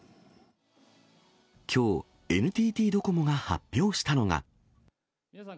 きょう、ＮＴＴドコモが発表したのが。